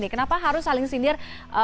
kenapa harus saling sindir